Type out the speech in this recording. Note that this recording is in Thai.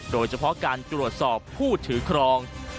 โดยเฉพาะการตรวจสอบผู้ถือครอง